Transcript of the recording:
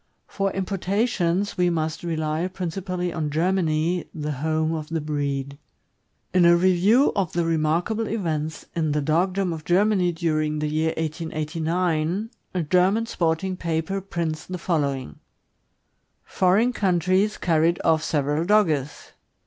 For importations we must rely principally on Germany, the home of the breed. In a review of the remarkable events in the dogdom of Germany during the year 1889, a German sporting paper prints the following: Foreign countries carried off several Dogges.